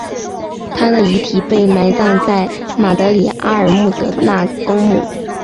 她的遗体被埋葬在马德里阿尔穆德纳公墓。